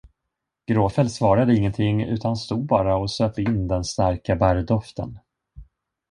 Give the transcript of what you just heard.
Gråfäll svarade ingenting, utan stod bara och söp in den starka barrdoften.